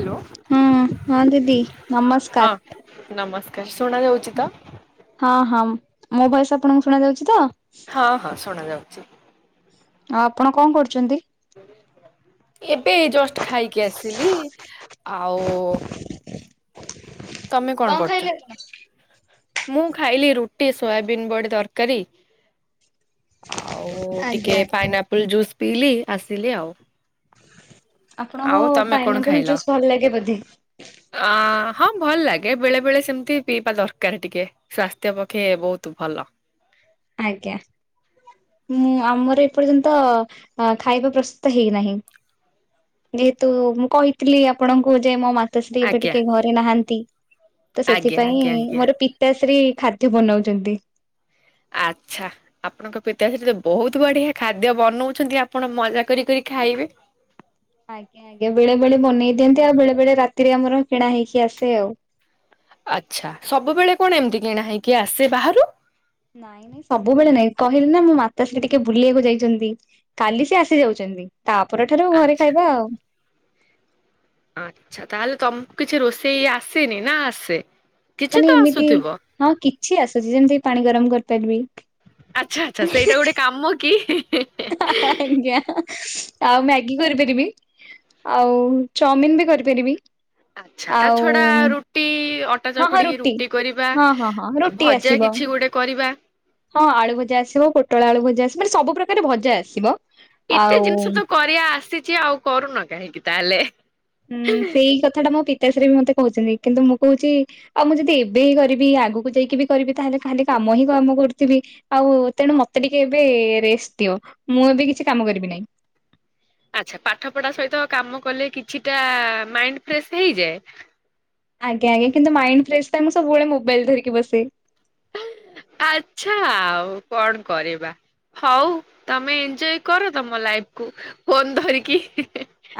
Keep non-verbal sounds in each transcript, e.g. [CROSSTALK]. Hello. ହଁ। ହଁ ଦିଦି ହଁ ନମସ୍କାର। ନମସ୍କାର ଶୁଣା ଯାଉଛି ତ। ହଁ ହଁ ମୋ ଭୟସ୍‌ ଆପଣଙ୍କୁ ଶୁଣା ଯାଉଛି ତ? ହଁ ହଁ ଶୁଣା ଯାଉଛି। ଆଉ ଆପଣ କଣ କରୁଛନ୍ତି? ଏବେ ଜଷ୍ଟ ଖାଇକି ଆସିଲି ଆଉ ତମେ କଣ କରୁଛ? ମୁଁ ଖାଇଲି ରୁଟି ସୋୟାବିନ୍ ବଢ଼ି ତରକାରୀ। ଆଉ ଟିକେ ପାଇନା ଆପଲ ଜୁସ୍ ପିଇଲି ଆସିଲି ଆଉ। ଆପଣଙ୍କ ଆଉ ତମେ କଣ ପାଇନାପଲ ଖାଇଲ? ଜୁସ୍ ଭଲ ଲାଗେ ବୋଧେ। ଅ ହଁ ଭଲ ଲାଗେ ବେଳେ ବେଳେ ସେମିତି ପିଇବା ଦରକାର ଟିକେ। ସ୍ୱାସ୍ଥ୍ୟ ପକ୍ଷେ ବହୁତ ଭଲ। ଆଜ୍ଞା। ମୁଁ ଆମର ଏପର୍ଯ୍ୟନ୍ତ ଖାଇବା ପ୍ରସ୍ତୁତ ହେଇନାହିଁ। ଯେହେତୁ ମୁଁ କହିଥିଲି ଆପଣଙ୍କୁ ଯେ ମୋ ମା ତ ଶ୍ରୀ ଏବେ ଆଜ୍ଞା ଟିକେ ଘରେ ନାହାନ୍ତି ତ ଆଜ୍ଞା ସେଥିପାଇଁ ଆଜ୍ଞା ଆଜ୍ଞା। ମୋର ପିତ ତାଶ୍ରୀ ଖାଦ୍ୟ ବନାଉଛନ୍ତି। ଆଚ୍ଛା। ଆପଣଙ୍କ ପିତାଶ୍ରୀ ତ ବହୁତ ବଢ଼ିଆ ଖାଦ୍ୟ ବନଉଛନ୍ତି। ଆପଣ ମଜା କରି କରି ଖାଇବେ। ଆଜ୍ଞା ଆଜ୍ଞା ବେଳେ ବେଳେ ବନେଇ ଦିଅନ୍ତି। ଆଉ ବେଳେ ବେଳେ ରାତିରେ ଆମର କିଣା ହେଇକି ଆସେ ଆଉ। ଆଚ୍ଛା। ସବୁବେଳେ କଣ ଏମିତି କିଣା ହେଇକି ଆସେ ବାହାରୁ? ନାଇଁ ନାଇଁ ସବୁବେଳେ ନାଇଁ କହିଲି ନା ମୋ ମାତାଶ୍ରୀ ଟିକେ ବୁଲିବାକୁ ଯାଇଛନ୍ତି। କାଲି ସେ ଆସି ଯାଉଛନ୍ତି ତାପର ଠାରୁ ଘରେ ଆଚ୍ଛା ଖାଇବା ଆଉ। ଆଚ୍ଛା ତାହେଲେ ତମକୁ କିଛି ରୋଷେଇ ଆସେନି ନା ଆସେ? କିଛି ମାନେ ତ ଏମିତି ଆସୁଥିବ ହଁ କିଛି ଆସୁଛି। ଯେମିତି ପାଣି ଗରମ କରିପାରିବି। ଆଚ୍ଛା ଆଚ୍ଛା ସେଇଟା ଗୋଟେ କାମ କି! [UNINTELLIGIBLE] ଆଜ୍ଞା। [UNINTELLIGIBLE] ଆଉ ମ୍ୟାଗି କରିପାରିବି, ଆଉ ଚାଉମିିନ ବି କରିପାରିବି। ଆଚ୍ଛା ତା ଆଉ ଛଡା ରୁଟି, ଅଟା ହଁ ହଁ ଚକୁଡିକି ରୁଟି କରିବା ହଁ ହଁ ହଁ ଆ ରୁଟି ଭଜା ଆସିବ। କିଛି ଗୋଟେ କରିବା। ହଁ ଆଳୁ ଭଜା ଆସିବ, ପୋଟଳ ଆଳୁ ଭଜା ଆସିବ, ମାନେ ସବୁ ପ୍ରକାର ଭଜା ଆସିବ। ଏତେ ଆଉ ଜିନିଷ ତ କରିବା ଆସିଛି ଆଉ କରୁନ କାହିଁକି ତାହେଲେ? ଉୁଁ ସେଇ କଥାଟା ମୋ ପିତାଶ୍ରୀ ବି ମତେ କହୁଛନ୍ତି କିନ୍ତୁ ମୁଁ କହୁଛି ଆଉ ମୁଁ ଯଦି ଏବେ ହିଁ କରିବି ଆଗକୁ ଯାଇକି ବି କରିବି ତାହେଲେ ଖାଲି କାମ ହିଁ କାମ କରୁଥିବି। ଆଉ ତେଣୁ ମତେ ଟିକେ ଏବେ ରେଷ୍ଟ ଦିଅ। ମୁଁ ଏବେ କିଛି କାମ କରିବି ନାହିଁ। ଆଚ୍ଛା ପାଠ ପଢା ସହିତ କାମ କଲେ କିଛିଟା ମାଇଣ୍ଡ ଫ୍ରେଶ୍ ହେଇଯାଏ। ଆଜ୍ଞାଜ୍ଞା କିନ୍ତୁ ମାଇଣ୍ଡ ଫ୍ରେଶ୍ ଟା ମୁଁ ସବୁବେଳେ ମୋବାଇଲ ଧରିକି ବସେ। ଆଚ୍ଛା ଆଉ କଣ କରିବା। ହଉ ତମେ ଏନ୍‌ଞୟ କର ତମ ଲାଇଫକୁୁ ଫୋନ ଧରିକି।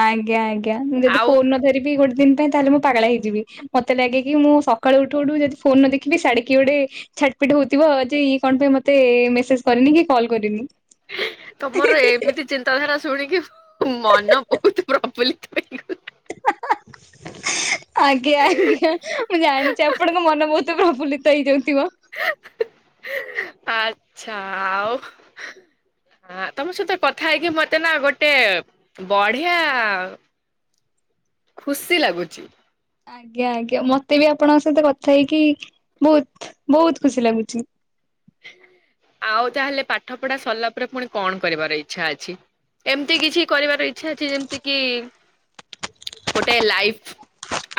ଆଜ୍ଞା ଆଜ୍ଞା ମୁଁ ଯଦି ଆଉ ଫୋନ ନ ଧରିବି ଗୋଟେ ଦିନ ପାଇଁ ତାହେଲେ ମୁଁ ପାଗଳା ହେଇଯିବି ମତେ ଲାଗେ କି ମୁଁ ସକାଳୁ ଉଠୁ ଉଠୁ ଯଦି ଫୋନ ନ ଦେଖିାଢିକି ଗୋଟେ ଛାଟପିଟ ହଉଥିବ ଯେ ଇଏ କଣ ପାଇଁ ମତେ ମେସେଜ କରିନି କି କଲ୍ କରିନି। ତମର ଏମିତି ଚିନ୍ତାଧାରା ଶୁଣିକି ମନ ବହୁତ ପ୍ରଫୁଲ୍ଲିତ ହେଇଗଲା। ଆଜ୍ଞା ଆଜ୍ଞା ମୁଁ ଜାଣିଛି ଆପଣଙ୍କ ମନ ବହୁତ କେତେ ପ୍ରୁ୍ଲିତ ହେଇଯାଉଥିବ। ଆଚ୍ଛା ଆଉ। ହ ତମ ସହିତ କଥା ହେଇକି ମତେ ନା ଗୋଟେ ବଢିଆ ଖୁସି ଲାଗୁଛି। ଆଜ୍ଞା ଆଜ୍ଞା ମତେ ବି ଆପଣଙ୍କ ସହିତ କଥା ହେଇକି ବହୁତ ବହୁତ ଖୁସି ଲାଗୁଛି। ଆଉ ତାହେଲେ ପାଠ ପଢା ସରିଲା ପରେ ପୁଣି କଣ କରିବାର ଇଚ୍ଛା ଅଛି। ଏମିତି କିଛି କରିବାର ଇଛା ଅଛି ଯେମିତି କି ଗୋଟେ ଲାଇଫ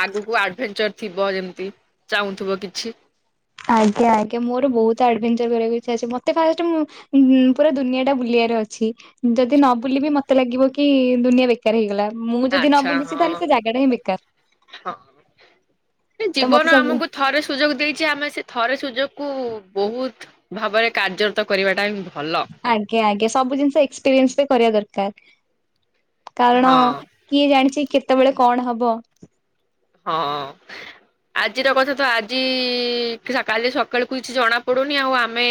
ଆଗକୁ ଆଡଭେଞ୍ଚର ଥିବ ଯେମତି ଚାହୁଁଥିବ କିଛି। ଆଜ୍ଞା ଆଜ୍ଞା ମୋର ବହୁତ ଆଡଭେଞ୍ଚର କରିବାକୁ ଇଛା ଅଛି ଫାଷ୍ଟ ମୁ ପୁରା ଦୁନିଆ ଟା ବୁଲିବାର ଅଛି ଯଦି ନ ବୁଲିବି ମତେ ଲାଗିବ କି ଦୁନିଆଟା ବେକାର ହେଇଗଲା ମୁଁ ଯଦି ନ ଆଚ୍ଛା ବୁଲିଛି ହଁ ତାହେଲେ ସେ ଜାଗାଟା ହିଁ ବେକାର। ହଁ। ତ ମତେ ଜୀବନ ସବୁ ଆମକୁ ଥରେ ସୁଯୋଗ ଦେଇଛି ଆମେ ସେ ଥରେ ସୁଯୋଗ କୁ ବହୁତ ଭାବରେ କାର୍ଯ୍ୟରତ କରିବାଟା ହ ଭଲ। ଆଜ୍ଞା ଆଜ୍ଞା ସବୁ ଜିନିଷ ଏକ୍ସପିରିଏନ୍ସ ବି କରିବା ଦରକାର କାରଣ ହଁ କିଏ ଜାଣିଛି କେତେବେଳେ କଣ ହବ। ହଁ ଆ ଆଜିର କଥା ତ ଆଜି କାଲି ସକାଳକୁ କିଛି ଜଣାପଡ଼ୁନି ଆଉ ଆମେ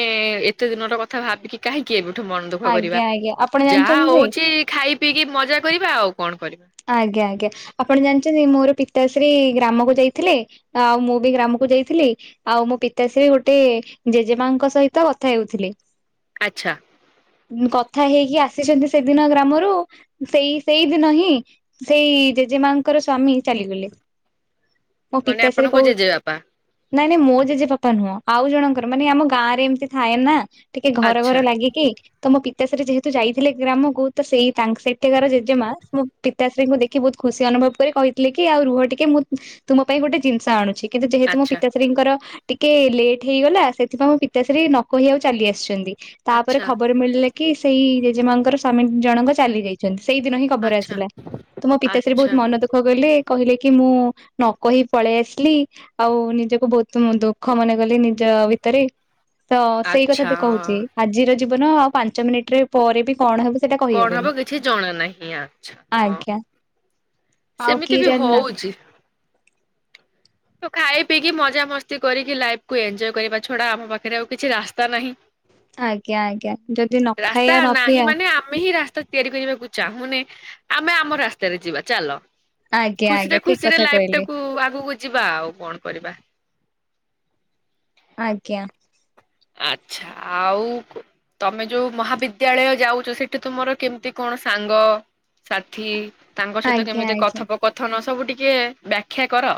ପ୍ରତେ ଦିନର କଥା ଭାବିକି କାହିଁକି ଏବେଠୁ ମନ ଦୁଃଖ କରିବା ଆଜ୍ଞା ଆଜ୍ଞା ଆପଣ ଯାହା ଜାଣିଛନ୍ତି? ହଉଛି ଖାଇ ପିଇକି ମଜା କରିବା ଆଉ କଣ କରିବା। ଆଜ୍ଞା ଆଜ୍ଞା ଆପଣ ଜାଣିଛନ୍ତି ମୋର ପିତାଶ୍ରୀ ଗ୍ରାମକୁ ଯାଇଥିଲେ ଆଉ ମୁଁ ବି ଗ୍ରାମକୁ ଯାଇଥିଲି ଆଉ ମୋ ପିତାଶ୍ରୀ ଗୋଟେ ଜେଜେମାଙ୍କ ସହିତ କଥା ହେଉଥିଲେ। ଆଚ୍ଛା। କଥା ହେଇକି ଆସିଛନ୍ତି ସେଦିନ ଗ୍ରାମରୁ ସେଇ ସେଇଦିନ ହିଁ ସେଇ ଜେଜେମାଙ୍କର ସ୍ଵାମୀ ଚାଲିଗଲେ ମୋ ମାନେ ପିତାଶ୍ରୀ ଆପଣଙ୍କ କହୁ ଜେଜେବାପା ନାଇଁ ନାଇଁ ମୋ ଜେଜେବାପା ନୁହଁ ଆଉ ଜଣଙ୍କର ମାନେ ଆମ ଗାଁ ରେ ଏମତି ଥାଏ ନା ଟିକେ ଘର ଘର ଆଚ୍ଛା ଲାଗିକି ତ ମୋ ପିତାଶ୍ରୀ ଯେହେତୁ ଯାଇଥିଲେ ଗ୍ରାମକୁ ତ ସେଇ ସେଠକାରାର ଜେଜେମା ପିତାଶ୍ରୀଙ୍କୁ ଦେଖି ବହୁତ ଖୁସି ଅନୁଭବ କରି କହିଥିଲେ କି ଆଉ ରୁହ ଟିକେ ମୁଁ ତୁମ ପାଇଁ ଗୋଟେ ଜିନିଷ ଆଣୁଛି କିନ୍ତୁ ଯେହେତୁ ଆଚ୍ଛା ପିତା ଶ୍ରିଙ୍କର ଟିକେ ଲେଟ୍ ହେଇଗଲା ସେଥିପାଇଁ ମୋ ପିତାଶ୍ରୀ ନ କହି ଆଉ ଚାଲି ଆସିଛନ୍ତି ତାପରେ ଆଚ୍ଛା ଖବର ମିଳିଲା କି ସେଇ ଜେଜେମାଙ୍କର ସଵାମୀ ଜଣଙ୍କ ଚାଲି ଯାଇଛନ୍ତି ସେଇଦିନ ହିଁ। ଖବର ଆଚ୍ଛା। ଆସିଲା। ତ ମୋ ଆଚ୍ଛା ପିତାଶ୍ରୀ ଆଚ୍ଛା। ବହୁତ ମନ ଦୁଃଖ ଗଲେ କହିଲେ କି ମୁଁ ନ କହି ପଳେଇ ଆସିଲି ଆଉ ନିଜକୁ ବହୁତ ଦୁଃଖ ମନେ କଲି ନିଜ ଭିତରେ। ତ ସେଇ କଥା କହୁଛି ଆଚ୍ଛା ଆଜିର ଜୀବନ ଆଉ ପାଞ୍ଚ ମିନିଟରେ ପରେ ବି କଣ ହବ କଣ ହବ କିଛି ଜଣା ନାହିଁ ଆଛା ହଁ ଆଜ୍ଞା ଆଉ ସେମିତି କିଏ ବି ଜାଣିଲା? ହଉଛି ତ ଖାଇ ପିଇକି ମଜା ମସ୍ତି କରିକି ଲାଇଫକୁୁ ଏନ୍ଜୟ କରିବା ଛଡା ଆମ ପାଖରେ ଆଉ କିଛି ରାସ୍ତା ନାହିଁ। ଆଜ୍ଞା ଆଜ୍ଞା ଯଦି ନ ରାସ୍ତା ଖାଇବା ନ ନାହିଁ ପିଇବା ମାନେ ଆମେ ହିଁ ରାସ୍ତା ତିଆରି କରିବାକୁ ଚାହୁଁନି ଆମେ ଆମ ରାସ୍ତାରେ ଯିବା ଚାଲ ଆଜ୍ଞା ଆଜ୍ଞା ଖୁସିରେ ଠିକ ଖୁସିରେ କଥା କହିଲେ ଲାଇଫଟାକୁ ଆଗକୁ ଯିବା ଆଉ କଣ କରିବା? ଆଜ୍ଞା। ଆଚ୍ଛା ଆଉ ତମେ ଯୋଉ ମହାବିଦ୍ୟାଳୟ ଯାଉଛ ସେଠି ତୁମର କେମିତି କଣ ସାଙ୍ଗ? ସାଥି ତାଙ୍କ ସହିତ ଆଜ୍ଞା କେମିତି ଆଜ୍ଞା। କଥପକଥନ ସବୁ ଟିକେ ବ୍ୟାଖ୍ୟା କର?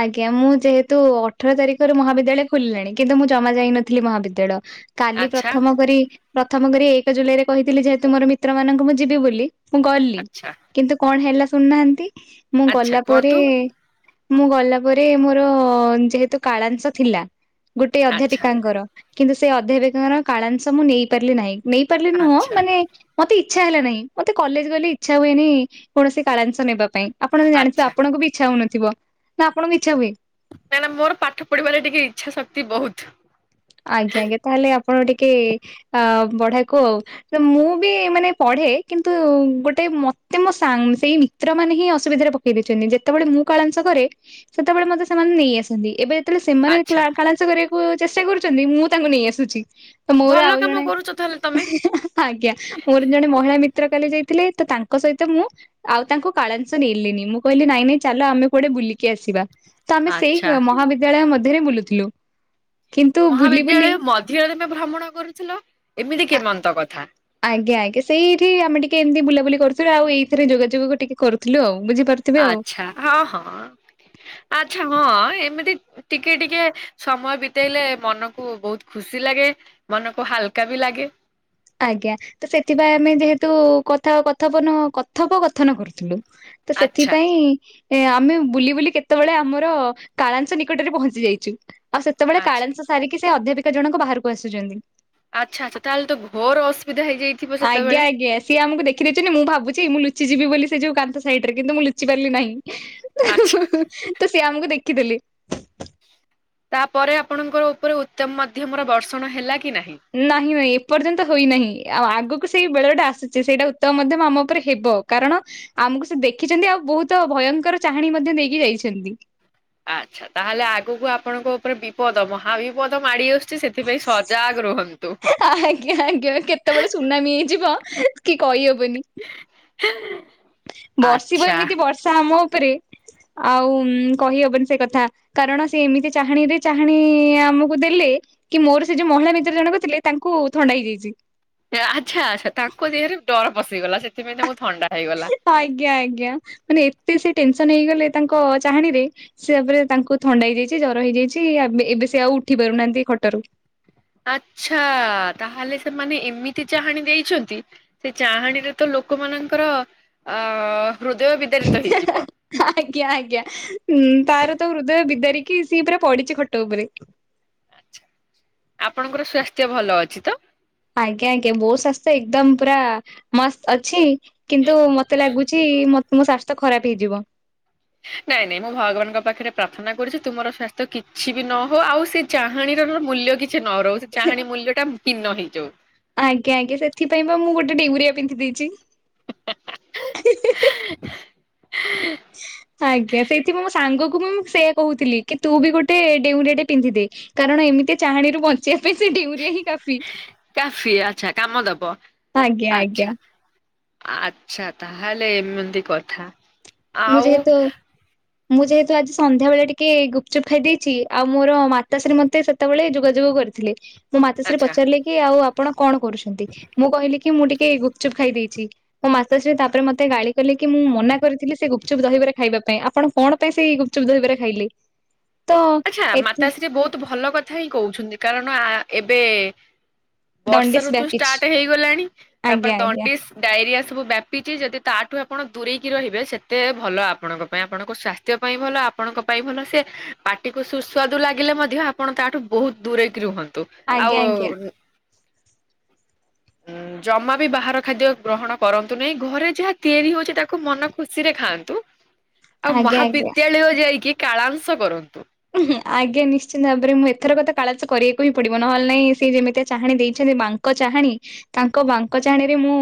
ଆଜ୍ଞା ମୁଁ ଯେହେତୁ ଅଠର ତାରିଖରେ ମହାବିଦ୍ୟାଳୟ ଖୋଲିଲାଣି କିନ୍ତୁ ମୁଁ ଜମା ଯାଇନଥିଲି ମହାବିଦ୍ୟାଳୟ। କାଲି ଆଚ୍ଛା ପ୍ରଥମ କରି ପ୍ରଥମ କରି ଏକ ଜୁଲାଇରେ କହିଥିଲି ଯେହେତୁ ମୋର ମିତ୍ର ମାନଙ୍କୁ ମୁଁ ଯିବି ବୋଲି। ମୁଁ ଗଲି ଆଚ୍ଛା। କିନ୍ତୁ କଣ ହେଲା ଶୁଣୁନାହାନ୍ତି ମୁଁ ଆଚ୍ଛା ଗଲା ପରେ କୁହନ୍ତୁ ମୁଁ ଗଲା ପରେ ମୋର ଯେହେତୁ କାଳାଂଶ ଥିଲା ଗୋଟେ ଆଚ୍ଛା ଅଧ୍ୟାପିକାଙ୍କର କିନ୍ତୁ ସେ ଅଧ୍ୟାପିକର କାଳାଂଶ ମୁଁ ନେଇପାରିଲି ନାହିଁ ନେଇପାରିଲି ନୁହଁ ଆଚ୍ଛା ମାନେ ମତେ ଇଚ୍ଛା ହେଲା ନାହିଁ ମତେ କଲେଜ ଗଲେ ଇଚ୍ଛା ହୁଏନି କୌଣସି କାରାଂଶ ନେବା ପାଇଁ। ଆପଣ ଜାଣିଥିବେ ଆଚ୍ଛା ଆପଣଙ୍କୁ ବି ଇଚ୍ଛା ହଉନଥିବ ନା ଆପଣଙ୍କୁ ଇଛା ହୁଏ? ନା ନା ମୋର ପାଠ ପଢିବାରେ ଟିକେ ଇଚ୍ଛା ଶକ୍ତି ବହୁତ। ଆଜ୍ଞା ଆଜ୍ଞା ତାହେଲେ ଆପଣ ଟିକେ ଅ ପଢାକୁ ଆଉ ମୁଁ ବି ମାନେ ପଢେ କିନ୍ତୁ ଗୋଟେ ମତେ ମୋ ସା ସେଇ ମିତ୍ର ମାନେ ହିଁ ଅସୁବିଧାରେ ପକେଇ ଦେଇଛନ୍ତି ଯେତେବେଳେ ମୁଁ କାଳଂସ କରେ ସେତେବେଳେ ମତେ ସେମାନେ ନେଇ ଆସନ୍ତି ଏବେ ତାହେଲେ ସେମାନେ ଆଚ୍ଛା କ୍ଲାସ କରିବାକୁ ଚେଷ୍ଟା କରୁଛନ୍ତି ମୁଁ ତାଙ୍କୁ ନେଇ ଆସୁଛି। ତ ମୋର ଭଲ ଆଉ କାମ ଜଣେ କରୁଛ ତାହେଲେ ତମେ ଆଜ୍ଞା ମୋର ଜଣେ ମହିଳା ମି ଚିତ୍ର କଲି ଯାଇଥିଲେ ତ ତାଙ୍କ ସହିତ ମୁଁ ଆଉ ତାଙ୍କୁ କାଳାଂସ ନେଲିନି ମୁଁ କହିଲି ନାଇଁ ନାଇଁ ଚାଲ ଆମେ କୁଆଡେ ବୁଲିକି ଆସିବା। ତ ଆମେ ଆଚ୍ଛା ସେଇ ମହାବିଦ୍ୟାଳୟ ମଧ୍ୟରେ ବୁଲୁଥିଲୁ। କିନ୍ତୁ ବୁଲି ବୁଲି ମହାବିଦ୍ୟାଳୟ ମଧ୍ୟରେମ ଭ୍ରମଣ କରୁଥିଲ ଏମିତି କେମନ୍ତ କଥା? ଆଜ୍ଞା ଆଜ୍ଞା ସେଇଠି ଆମେ ଟିକେ ଏମତି ବୁଲାବୁଲି କରୁଥିଲୁ ଆ ଏଇଥିରେ ଯୋଗାଯୋଗ ଟିକେ କରୁଥିଲୁ ଆଉ ବୁଝିପାରୁଛୁ ଆଛା ହଁ ହଁ ଆଚ୍ଛା ହଁ ଏମିତି ଟିକେ ଟିକେ ସମୟ ବିତେଇଲେ ମନକୁ ବହୁତ ଖୁସି ଲାଗେ ମନକୁ ହାଲକା ବି ଲାଗେ। ଆଜ୍ଞା ତ ସେଥିପାଇଁ ଆମେ ଯେହେତୁ କଥା କଥପନ କଥପକଥନ କରୁଥିଲୁ। ତ ଆଚ୍ଛା ସେଥିପାଇଁ ଏ ଆମେ ବୁଲି ବୁଲି କେତେବେଳେ ଆମର କାଳାଂଶ ନିକଟରେ ପହଞ୍ଚି ଯାଇଛୁ। ଆଉ ସେତେବେଳେ ଆଚ୍ଛା କାଳାଂଶ ସାରିକି ସେ ଅଧ୍ୟାପିକା ଜଣକ ବାହାରକୁ ଆସୁଛନ୍ତି। ଆଚ୍ଛା ଆଛା ତାହେଲେ ତ ଘୋର ଅସୁବିଧା ହେଇଯାଇ ଆଜ୍ଞା ଆଜ୍ଞା। ସିଏ ଆମକୁ ଦେଖିଦେଇଛନ୍ତି ମୁଁ ଭାବୁଛି ମୁଁ ଲୁଚିଯିବି ବୋଲି ସେ ଯୋଉ କାନ୍ଥ ସାଇଡରେ କିନ୍ତୁ ମୁଁ ଲୁଚିପାରିଲି ନାହିଁ। ଆଚ୍ଛା ତ ସିଏ ଆମକୁ ଦେଖିଦେଲେ। ତାପରେ ଆପଣଙ୍କର ଉପରେ ଉତ୍ତମ ମଧ୍ୟମର ବର୍ଷଣ ହେଲା କି ନାହିଁ? ନାହିଁ ନାଇଁ ଏପର୍ଯ୍ୟନ୍ତ ହୋଇନାହିଁ ଆଉ ଆଗକୁ ସେଇ ବେଳ ଟା ଆସୁଛି ସେଇଟା ଉତ୍ତମ ମଧ୍ୟ ଆମ ଉପରେ ହେବ କାରଣ ଆମକୁ ସେ ଦେଖିଛନ୍ତି ଆଉ ବହୁତ ଭୟଙ୍କର ଚାହାଣୀ ମଧ୍ୟ ଦେଇକି ଯାଇଛନ୍ତି। ଆଚ୍ଛା ତାହେଲେ ଆଗକୁ ଆପଣଙ୍କ ଉପରେ ବିପଦ ମହାବିପଦ ମାଡି ଆସଛି। ସେଥିପାଇଁ ସଜାଗ ରୁହନ୍ତୁ। ଆଜ୍ଞା ଆଜ୍ଞା କେତେବେଳେ ସୁନାମି ହେଇଯିବ କି କହିହବନି। ହ ବର୍ଷିବ ଏମିତି ବର୍ଷା ଆମ ଉପରେ ଆଉ କହିହବନି ସେ କଥା। କାରଣ ସେ ଏମିତି ଚାହାଣିରେ ଚାହାଣି ଆମକୁ ଦେଲେ। କି ମୋର ସେ ଯୋଉ ମହିଳା ମିତ୍ର ଜଣକ ଥିଲେ ତାଙ୍କୁ ଥଣ୍ଡା ହେଇଯାଇଛି। ଆଚ୍ଛା ଆଚ୍ଛା ତାଙ୍କ ଦିହରେ ଡର ପଶିଗଲା ସେଥିପାଇଁ ତାଙ୍କୁ ଥଣ୍ଡା ହେଇଗଲା। ଆଜ୍ଞା ଆଜ୍ଞା ମାନେ ଏତେ ସେ ଟେନସନ ହେଇଗଲେ ତାଙ୍କ ଚାହାଣୀରେ ସେପରେ ତାଙ୍କୁ ଥଣ୍ଡା ହେଇଯାଇଛି ଜର ହେଇଯାଇଛି ଏବେ ଏବେ ସେ ଆଉ ଉଠି ପାରୁନାହାନ୍ତି ଖଟରୁ। ଆଚ୍ଛା ତାହେଲେ ସେମାନେ ଏମିତି ଚାହାଣ ଦେଇଛନ୍ତି। ସେ ଚାହାଣୀରେ ତ ଲୋକମାନଙ୍କର ଅ ହୃଦୟ ବିଦାରିତ ହେଇଯିବ। ଆଜ୍ଞା ଆଜ୍ଞା ଉଁ ତାର ତ ହୃଦୟ ବିଦାରିକି ସିଏ ପୁରା ପଡ଼ିଛି ଖଟ ଉପରେ। ଆଚ୍ଛା ଆପଣଙ୍କର ସ୍ଵାସ୍ଥ୍ୟ ଭଲ ଅଛି ତ? ଆଜ୍ଞା ଆଜ୍ଞା ମୋ ସ୍ୱାସ୍ଥ୍ୟ ଏକଦମ୍ ପୁରା ମସ୍ତ ଅଛି। କିନ୍ତୁ ମତେ ଲାଗୁଛି ମତ୍ ମୋ ସ୍ଵାସ୍ଥ୍ୟ ଖରାପ ହେଇଯିବ। ନାଇଁ ନାଇଁ ମୁଁ ଭଗବାନଙ୍କ ପାଖରେ ପ୍ରାର୍ଥନା କରୁଛି ତୁମର ସ୍ଵାସ୍ଥ୍ୟ କିଛି ବି ନହଉ ଆଉ ସେ ଚାହାଣୀର ମୂଲ୍ୟ କିଛି ନ ରହୁ ସେ ଚାହାଣୀର ମୂଲ୍ୟଟା ଭିନ୍ନ ହେଇଯାଉ। ଆଜ୍ଞା ଆଜ୍ଞା ସେଥିପାଇଁ ବା ମୁଁ ଗୋଟେ ଡେଉଁରିଆ ପିନ୍ଧି ଦେଇଚି ହି ହି ହି। ଆଜ୍ଞା ସେଥିପାଇଁ ମୁଁ ମୋ ସାଙ୍ଗକୁ ମୁଁ ସେୟା କହୁଥିଲି କି ତୁ ବି ଗୋଟେ ଡେଉଁରିଆଟେ ପିନ୍ଧିଦେ। କାରଣ ଏମିତି ଚାହାଣୀରୁ ବଞ୍ଚିବା ପାଇଁ ସେ ଡେଉଁରିଆ ହିଁ କାଫ୍ କାଫି ଆଚ୍ଛା କାମ ଦବ ଆଜ୍ଞା ଆଜ୍ଞା ଆଚ୍ଛା। ଆଚ୍ଛା ତାହେଲେ ଏମିତି କଥା। ମୁଁ ଆଉ ଯେହେତୁ ମୁଁ ଯେହେତୁ ଆଜି ସନ୍ଧ୍ୟାବେଳେ ଟିକେ ଗୁପଚୁପ୍ ଖାଇ ଦେଇଛି ଆଉ ମୋର ମାତାଶ୍ରୀ ମତେ ସେ ତେବେଳେ ଯୋଗାଯୋଗ କରିଥିଲେ, ମୋ ମାତାଶ୍ରୀ ଆଚ୍ଛା ପଚାରିଲେ କି ଆଉ ଆପଣ କଣ କରୁଛନ୍ତି ମୁଁ କହିଲି କି ମୁଁ ଟିକେ ଗୁପଚୁପ୍ ଖାଇ ଦେଇେଚି ମୋ ମାତାଶ୍ରୀ ତାପରେ ମତେ ଗାଳି କଲେ କି ମୁଁ ମନା କରିଥିଲି ସେ ଗୁପଚୁପ୍ ଦହିବରା ଖାଇବା ପାଇଁ ଆପଣ କଣ ପାଇଁ ସେଇ ଗୁପଚୁପ୍ ଦହିବରା ଖାଇଲେ? ତ ଆଚ୍ଛା ଏଥି ମାତାଶ୍ରୀ ବହୁତ୍ ଭଲ କଥା ହିଁ କହୁଛନ୍ତି କାରଣ ଆ ଏବେ ବର୍ଷା ଦଣ୍ଡିସ୍ ଋତୁ ବ୍ୟାପିଛି ଷ୍ଟାର୍ଟ ହେଇଗଲାଣି ତାପରେ ଆଜ୍ଞା ଆଜ୍ଞା ଦଣ୍ଡିସ୍ ଡାଇରିଆ ସବୁ ବ୍ୟାପିଛି ଯଦି ତାଠୁ ଆପଣ ଦୂରେଇକି ରହିବେ ସେତେ ଭଲ ଆପଣଙ୍କ ପାଇଁ ଆପଣଙ୍କ ସ୍ୱା ସ୍ଥ୍ୟ ପାଇଁ ଭଲ ଆପଣଙ୍କ ପାଇଁ ଭଲ ସିଏ ପାଟିକୁ ସୁସ୍ୱାଦୁ ଲାଗିଲେ ମଧ୍ୟ ଆପଣ ତାଠୁ ବହୁତ ଦୂରେଇକି ରୁହନ୍ତୁ, ଆଜ୍ଞା ଆଉ ଆଜ୍ଞା। ହୁଁ। ଜମା ବି ବାହାର ଖାଦ୍ୟ ଗ୍ରହଣ କରନ୍ତୁ ନାହିଁ, ଘରେ ଯାହା ତିଆରି ହଉଛି ତାକୁ ମନ ଖୁସିରେ ଖାଆନ୍ତୁ। ଆଉ ଆଜ୍ଞା ଆଜ୍ଞା ମହାବିଦ୍ୟାଳୟ ଯାଇକି କାଳାଂଶ କରନ୍ତୁ। ଉହୁଁ ଆଜ୍ଞା ନିଶ୍ଚିିତ ଭାବରେ ମୁଁ ଏଥରକ ତ କାଳଂଶ କରିବାକୁ ହିଁ ପଡିବ ନହେଲେ ନାଇଁ ସେ ଯେମିତିଆ ଚାହାଣୀ ଦେଇଛନ୍ତି ମାନ୍ ଙ୍କ ଚାହାଣୀ ତାଙ୍କ ବାଙ୍କ ଚାହାଣରେ ମୁଁ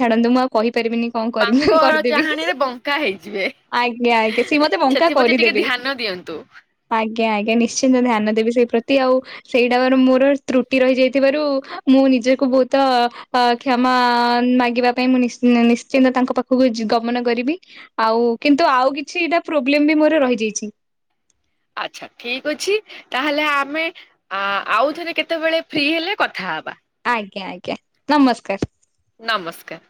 ଛାଡନ୍ତୁ ମୁଁ ଆଉ କହିପାରିବିନି। କଣ କରିବି ବାଙ୍କ କରିଦେବି। ଚାହାଣିରେ ବଙ୍କା ହେଇଯିବେ। ଆଜ୍ଞା ଆଜ୍ଞା ସିଏ ମତେ ବଙ୍କା ସେଥିପ୍ରତି ଟିକେ କରିଦେବେ ଧ୍ୟାନ ଦିଅନ୍ତୁ। ଆଜ୍ଞା ଆଜ୍ଞା ନିଶ୍ଚିନ୍ତ ଧ୍ୟାନ ଦେବି ସେଇ ପ୍ରତି ଆଉ ସେଇଟା ବା ମୋର ତ୍ରୁଟି ରହିଯାଇଥିବାରୁ ମୁଁ ନିଜକୁ ବହୁତ ଅ କ୍ଷମା ମାଗିବା ପାଇଁ ମୁଁ ନିଶ୍ଚି୍ ନିଶ୍ଚିନ୍ତ ତାଙ୍କ ପାଖକୁ ଯି ଗମନ କରିବି। ଆଉ କିନ୍ତୁ ଆଉ କିଛିଟା ପ୍ରୋବ୍ଲେମ୍ ବି ମୋର ରହିଯାଇଛି। ଆଚ୍ଛା ଠିକ୍ ଅଛି ତାହେଲେ ଆମେ ଆ ଆଉଥରେ କେତେବେଳେ ଫ୍ରି ହେଲେ କଥା ହବା। ଆଜ୍ଞା ଆଜ୍ଞା ନମସ୍କାର୍। ନମସ୍କାର୍।